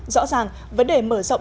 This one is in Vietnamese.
rõ ràng vấn đề mở rộng